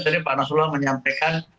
tadi pak nasrullah menyampaikan